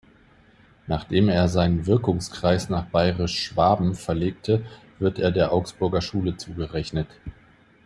Nachdem er seinen Wirkungskreis nach Bayerisch-Schwaben verlegte, wird er der Augsburger Schule zugerechnet.